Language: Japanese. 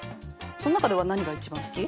そん中では何が一番好き？